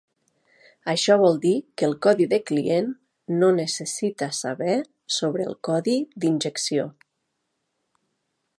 Això vol dir que el codi de client no necessita saber sobre el codi d'injecció.